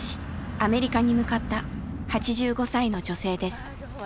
アメリカに向かった８５歳の女性です。